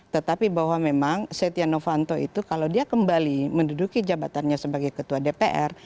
tetapi bahwa memang setia novanto itu kalau dia kembali menduduki jabatannya sebagai ketua dpr